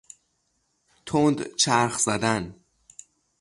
تند چرخ زدن